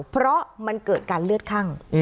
เพราะมันเกิดการเลือดคั่ง